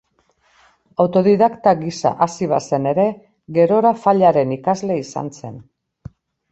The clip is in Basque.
Autodidakta gisa hasi bazen ere, gerora Fallaren ikasle izan zen.